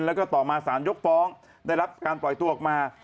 แล้วก็ต่อมาสารยกฟ้องได้รับการปล่อยตัวออกมา